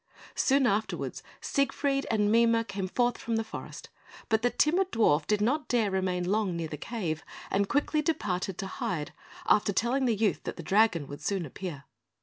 Soon afterwards, Siegfried and Mime came forth from the forest; but the timid dwarf did not dare to remain long near the cave, and quickly departed to hide, after telling the youth that the dragon would soon appear.